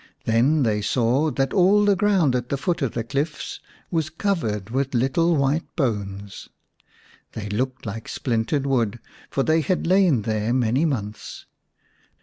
Then they saw that all the ground at the foot of the cliffs was covered with little white bones. They looked like splintered wood, for they had 103 The Serpent's Bride ix lain there many months.